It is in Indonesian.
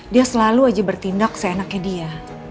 dia selalu aja bertindak seenaknya dia